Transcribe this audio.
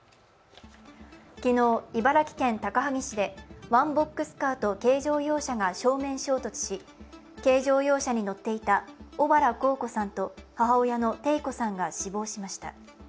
昨日、茨城県高萩市でワンボックスカーと軽乗用車が正面衝突し軽乗用車に乗っていた小原幸子さんと母親のテイ子さんが死亡しました。